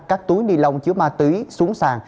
các túi ni lông chứa ma túy xuống sàn